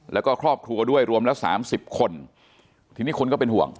แล้วก็ครอบครัวด้วยรวมละสามสิบคนทีนี้คนก็เป็นห่วง